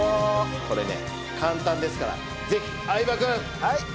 これね簡単ですからぜひ。